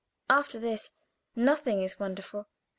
After this nothing is wonderful!